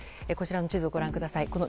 こちらの地図をご覧ください。